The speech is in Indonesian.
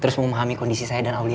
terus memahami kondisi saya dan aulia